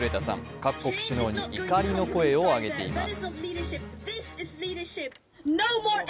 各国首脳に怒りの声を上げています。